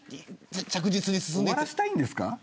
終わらせたいんですか。